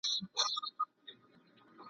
نه په غم د چا شریک وای نه له رنځه کړېدلای !.